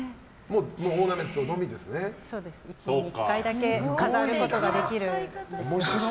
１年に１回だけ飾ることができるんです。